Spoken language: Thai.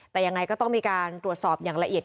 แต่ยังไงก็ต้องมีการตรวจสอบอย่างละเอียด